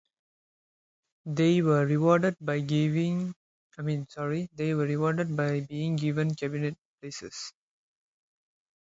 They were rewarded by being given cabinet places.